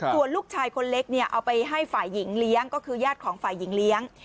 ส่วนลูกชายคนเล็กเนี่ยเอาไปให้ฝ่ายหญิงเลี้ยงก็คือญาติของฝ่ายหญิงเลี้ยง